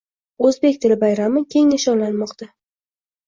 Oʻzbek tili bayrami keng nishonlanmoqda